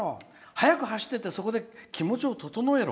早く走っていってそこで気持ちを整えろ。